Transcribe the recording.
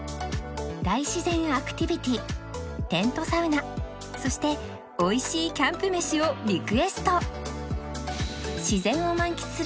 大自然アクティビティテントサウナそしておいしいキャンプ飯をリクエスト